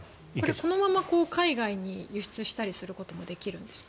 このまま海外に輸出したりすることもできるんですか？